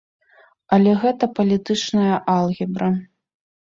Але гэта палітычная алгебра.